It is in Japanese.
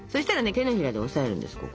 手のひらで押さえるんです。